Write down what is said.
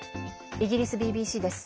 イギリスＢＢＣです。